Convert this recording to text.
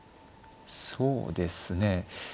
そうですね。